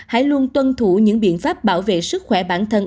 hãy luôn tuân thủ những biện pháp bảo vệ sức khỏe bản thân